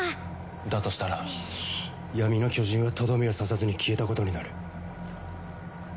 だとしたら闇の巨人はとどめを刺さずに消えたことになる。